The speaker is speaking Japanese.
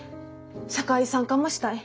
社会参加もしたい。